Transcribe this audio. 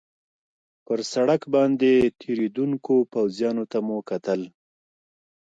پر سړک باندې تېرېدونکو پوځیانو ته مو کتل.